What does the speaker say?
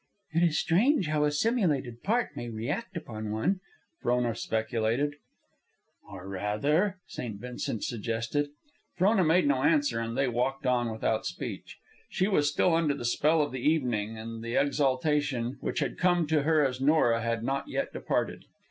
"It is strange how a simulated part may react upon one," Frona speculated. "Or rather?" St. Vincent suggested. Frona made no answer, and they walked on without speech. She was still under the spell of the evening, and the exaltation which had come to her as Nora had not yet departed.